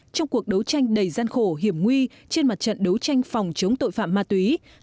trong cuộc đấu tranh đầy gian khổ hiểm nguy trên mặt trận đấu tranh phòng chống tội phạm ma túy